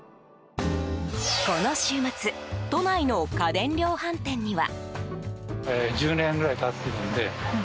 この週末都内の家電量販店には。